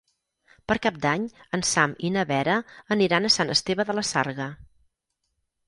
Per Cap d'Any en Sam i na Vera aniran a Sant Esteve de la Sarga.